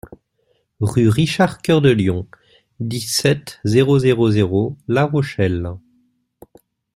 Rue RICHARD COEUR DE LION, dix-sept, zéro zéro zéro La Rochelle